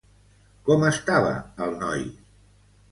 Com estava el noi?